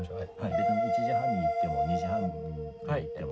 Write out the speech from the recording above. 別に１時半に行っても２時半でも。